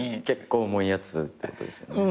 結構重いやつってことですよね。